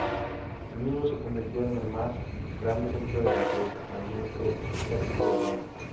El mismo se convirtió en el más grande centro de entrenamiento psiquiátrico del mundo.